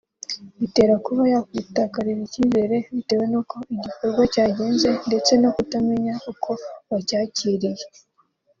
Bitera kuba yakwitakariza icyizere bitewe n’uko igikorwa cyagenze ndetse no kutamenya uko wacyakiriye